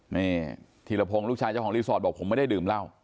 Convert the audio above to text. นี่ธีรพงศ์ลูกชายเจ้าของรีสอร์ทบอกผมไม่ได้ดื่มเหล้า